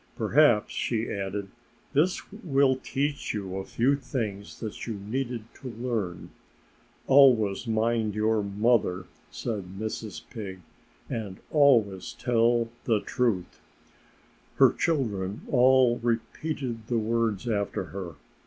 "Perhaps," she added, "this will teach you a few things that you needed to learn.... Always mind your mother!" said Mrs. Pig. "And always tell the truth!" Her children all repeated the words after her.